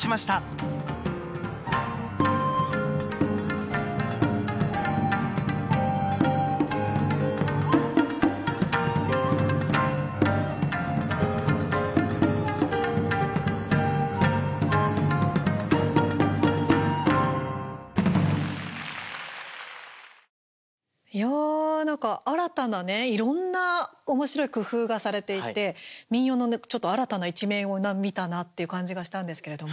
「残酷な天使のテーゼ」いやあ、なんか新たなねいろんなおもしろい工夫がされていて、民謡のねちょっと新たな一面を見たなっていう感じがしたんですけれども。